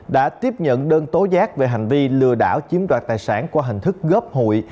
đã tiếp nhận đơn tố giác về hành vi lừa đảo chiếm đoạt tài sản qua hình thức góp hụi